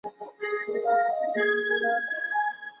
特列奥尔曼县是罗马尼亚南部的一个县。